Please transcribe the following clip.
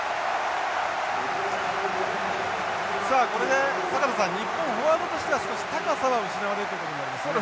さあこれで坂田さん日本フォワードとしては少し高さは失われるということになりますね。